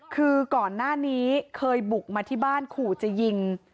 คือก่อนหน้านี้เคยบุกมาที่บ้านขู่จะยิง